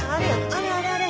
あれあれあれ！